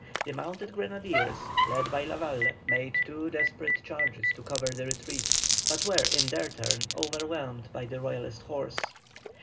The mounted grenadiers, led by Lavalle, made two desperate charges to cover the retreat, but were in their turn overwhelmed by the Royalist horse.